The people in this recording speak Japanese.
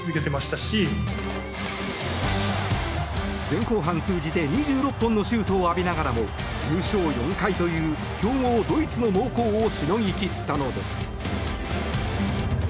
前後半通じて２６本のシュートを浴びながらも優勝４回という強豪ドイツの猛攻をしのぎ切ったのです。